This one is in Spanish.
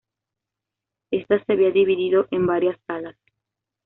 Esta se había dividido en varias salas.